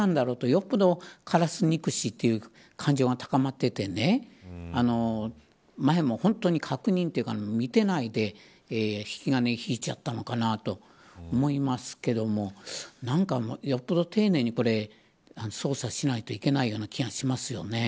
よっぽどカラス憎しという感情が高まっていてね前も見ていないで引き金を引いちゃったのかなと思いますけども何か、よっぽど丁寧に捜査しないといけないような気がしますよね。